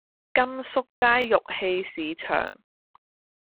甘肅街玉器市場